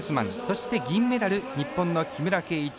そして、銀メダル日本の木村敬一。